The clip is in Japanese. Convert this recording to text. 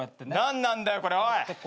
何なんだってこれおい。